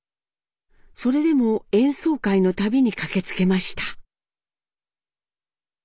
それでも演奏会の度に駆けつけました。